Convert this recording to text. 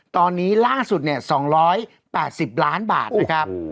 ตอนนี้ล่าสุดเนี่ย๒๘๐ล้านบาทนะครับ